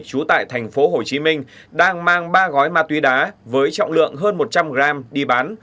trú tại thành phố hồ chí minh đang mang ba gói ma túy đá với trọng lượng hơn một trăm linh gram đi bán